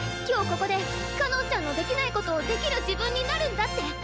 今日ここでかのんちゃんのできないことをできる自分になるんだって！